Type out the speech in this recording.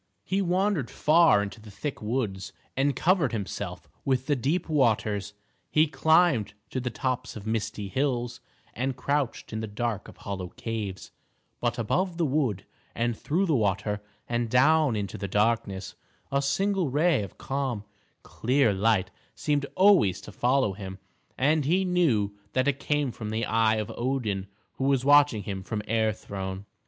He wandered far into the thick woods, and covered himself with the deep waters; he climbed to the tops of misty hills, and crouched in the dark of hollow caves; but above the wood, and through the water, and down into the darkness, a single ray of calm, clear light seemed always to follow him, and he knew that it came from the eye of Odin who was watching him from Air Throne.